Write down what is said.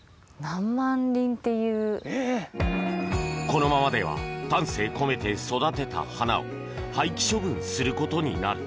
このままでは丹精込めて育てた花を廃棄処分することになる。